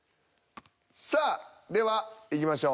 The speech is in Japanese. さあではいきましょう。